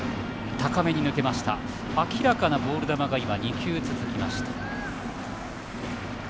明らかなボール球が２球続きました。